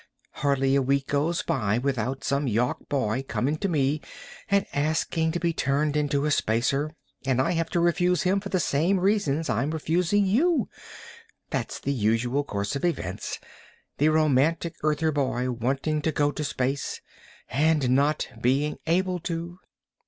Hardly a week goes by without some Yawk boy coming to me and asking to be turned into a Spacer, and I have to refuse him for the same reasons I'm refusing you! That's the usual course of events the romantic Earther boy wanting to go to space, and not being able to."